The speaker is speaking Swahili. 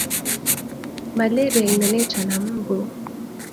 Malaria inaletwa na imbu